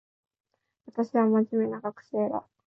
私は真面目な学生だ